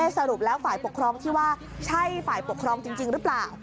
สรุปแล้วฝ่ายปกครองที่ว่าใช่ฝ่ายปกครองจริงหรือเปล่า